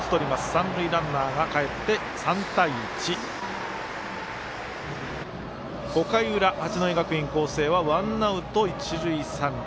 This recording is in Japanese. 三塁ランナーがかえって、３対１。５回の裏、八戸学院光星はワンアウト、一塁三塁。